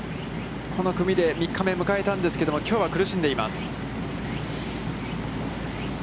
この組で３日目迎えたんですけど、きょうは苦しんでいます。